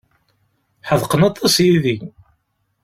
Ḥedqen aṭas yid-i.